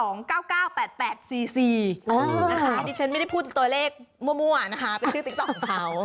อันนี้ฉันไม่ได้พูดตัวเลขมั่วนะคะเป็นชื่อติ๊กต๊อกของเขา